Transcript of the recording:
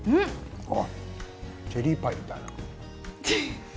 チェリーパイみたいな？